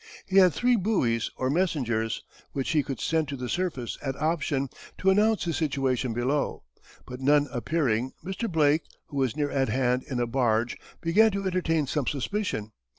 He had three buoys or messengers, which he could send to the surface at option, to announce his situation below; but, none appearing, Mr. Blake, who was near at hand in a barge, began to entertain some suspicion.